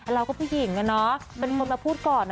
เราก็ผู้หญิงนะมาพูดก่อน